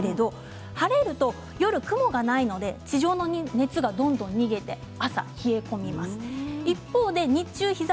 晴れる夜、雲がないので地上の熱がどんどん見れて朝冷え込みます。